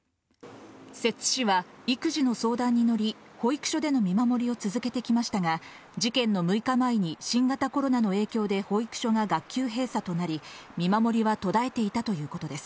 摂津市は育児の相談に乗り、保育所での見守りを続けてきましたが、事件の６日前に新型コロナの影響で保育所が学級閉鎖となり、見守りは途絶えていたということです。